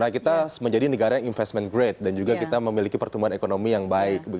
kita menjadi negara yang investment grade dan juga kita memiliki pertumbuhan ekonomi yang baik